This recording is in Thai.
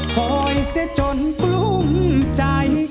คอยเสียจนกลุ้มใจ